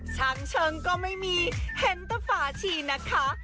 ช่างเชิงก็ไม่มีเห็นแต่ฝาชีนะคะ